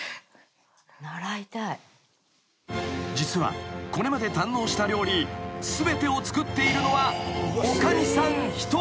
［実はこれまで堪能した料理全てを作っているのは］